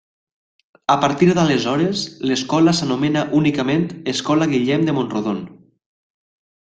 A partir d’aleshores, l’escola s’anomena únicament Escola Guillem de Mont-rodon.